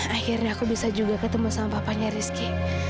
akhirnya aku bisa juga ketemu sama papanya rizky